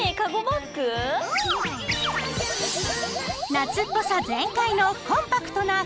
夏っぽさ全開のコンパクトなカゴバッグ。